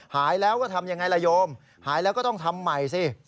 หายแล้วก็ทำยังไงล่ะโยมหายแล้วก็ต้องทำใหม่สิ